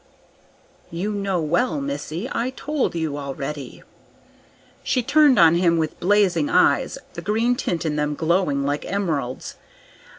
"You know well, missy; I told you already." She turned on him with blazing eyes, the green tint in them glowing like emeralds.